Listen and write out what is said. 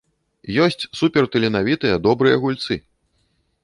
Ёсць суперталенавітыя, добрыя гульцы.